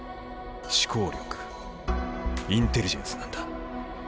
思考力インテリジェンスなんだ。